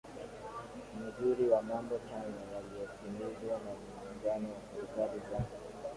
mzuri wa mambo chanya yaliyotimizwa na muungano wa serikali za